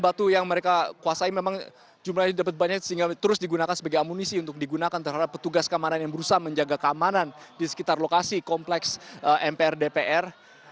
batu yang mereka kuasai memang jumlahnya dapat banyak sehingga terus digunakan sebagai amunisi untuk digunakan terhadap petugas keamanan yang berusaha menjaga keamanan di sekitar lokasi kompleks mpr dpr